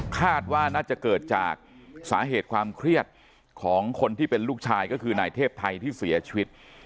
คาดว่าน่าจะเกิดจากสาเหตุความเครียดของคนที่เป็นลูกชายก็คือนายเทพไทยที่เสียชีวิต